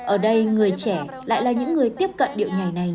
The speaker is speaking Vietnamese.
ở đây người trẻ lại là những người tiếp cận điệu nhảy này